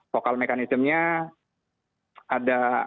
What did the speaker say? focal mechanism nya ada